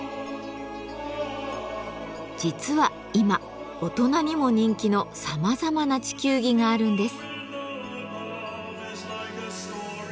実は今大人にも人気のさまざまな地球儀があるんです。